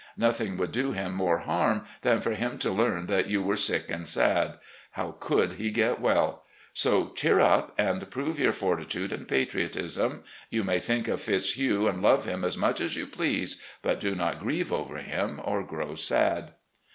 N othing would do him more harm than for him to learn that you were sick and sad. How could he get well ? So cheer up and prove your fortitude and patriotism. ... You may think of Fitzhugh and love him as much as you please, but do not grieve over him or grow sad."